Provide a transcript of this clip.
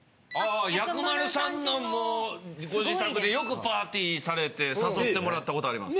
薬丸さんのご自宅でよくパーティーされて誘ってもらったことあります。